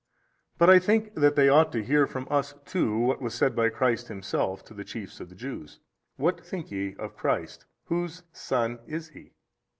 But I think that they ought to hear from us too what was said by Christ Himself to the chiefs of the Jews, What think ye of Christ? whose son is He?